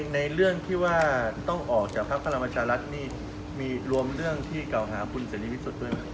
ในเรื่องที่ว่าต้องออกจากพักพลังประชารัฐนี่มีรวมเรื่องที่เก่าหาคุณเสรีวิสุทธิ์ด้วยไหม